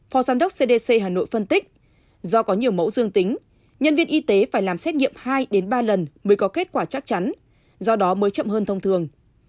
phó giám đốc cdc hà nội phân tích do có nhiều mẫu dương tính nhân viên y tế phải làm xét nghiệm hai ba lần mới có kết quả chắc chắn do đó mới chậm hơn thông thường